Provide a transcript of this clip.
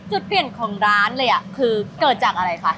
จุดเปลี่ยนของร้านเลยคือเกิดจากอะไรคะ